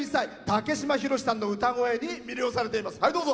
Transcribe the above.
竹島宏さんの歌声に魅了されています。